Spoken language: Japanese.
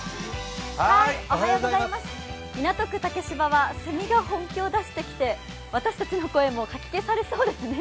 港区竹芝はセミが本気を出してきて、私たちの声もかき消されそうですね。